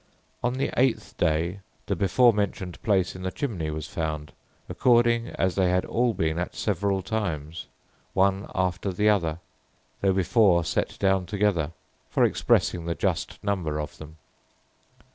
On the eighth day the before mentioned place in the chimney was found, according as they had all been at several times, one after another, though before set down together, for expressing the just number of them.